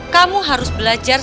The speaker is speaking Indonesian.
kamu harus belajar